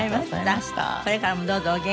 これからもどうぞお元気でね。